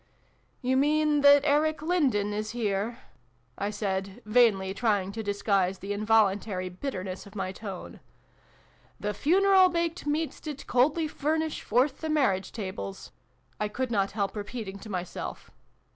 " You mean that Eric Lindon is here ?" I said, vainly trying to disguise the involuntary bitterness of my tone. "' The funeral baked meats did coldly furnish forth the marriage tables^ " I could not help repeating to myself.